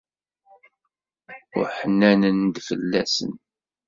Uḥnanen-d fell-asen.